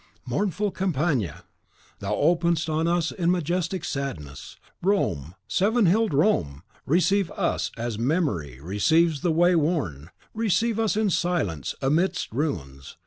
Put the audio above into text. Mournful Campagna, thou openest on us in majestic sadness. Rome, seven hilled Rome! receive us as Memory receives the way worn; receive us in silence, amidst ruins!